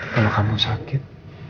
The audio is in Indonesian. kalau kamu sakit